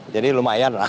jadi lumayan lah